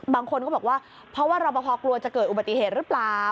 บางคนก็บอกว่าเพราะว่ารอปภกลัวจะเกิดอุบัติเหตุหรือเปล่า